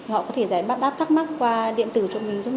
họ có thể giải bác đáp thắc mắc qua điện tử cho mình được